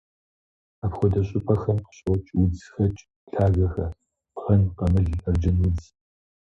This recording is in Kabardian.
Апхуэдэ щӀыпӀэхэм къыщокӀ удзхэкӀ лъагэхэр: бгъэн, къамыл, арджэнудз.